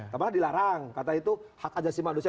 padahal dilarang kata itu hak ajasi manusia